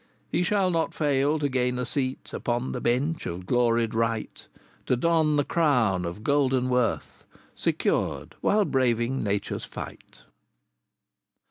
He shall not fail to gain a seat Upon the bench of gloried right, To don the crown of golden worth Secured whilst braving Nature's fight.